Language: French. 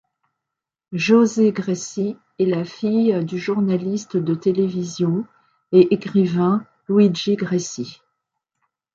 José Greci est la fille du journaliste de télévision et écrivain Luigi Greci.